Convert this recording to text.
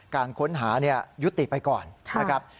การค้นหายุติไปก่อนนะครับ